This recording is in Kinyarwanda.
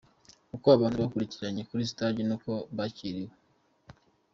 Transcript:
Uko abahanzi bakurikiranye kuri stage n'uko bakiriwe.